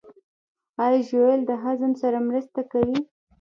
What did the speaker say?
ایا ژوول د هضم سره مرسته کوي؟